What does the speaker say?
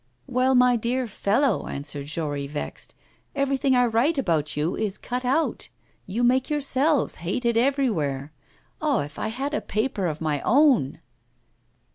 'Well, my dear fellow,' answered Jory, vexed, 'everything I write about you is cut out. You make yourselves hated everywhere. Ah! if I had a paper of my own!